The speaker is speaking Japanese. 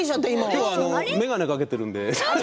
今日は眼鏡掛けているので。